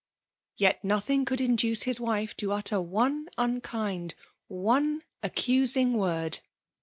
• Yet nothing could induce his wife to utter one unkind — one accusing word